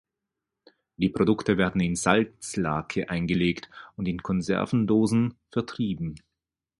Die Produkte werden in Salzlake eingelegt und in Konservendosen vertrieben.